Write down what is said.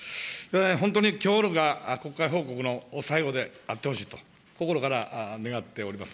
本当にきょうが国会報告の最後であってほしいと、心から願っております。